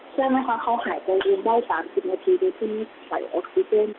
ใช่มั้ยคะเขาหายใจอื่นได้๓๐นาทีโดยที่มีสายออกซิเจน